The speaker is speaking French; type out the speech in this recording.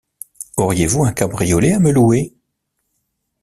Auriez-vous un cabriolet à me louer?